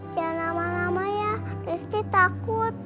jangan lama lama ya rizki takut